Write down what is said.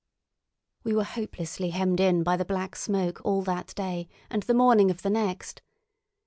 We were hopelessly hemmed in by the Black Smoke all that day and the morning of the next.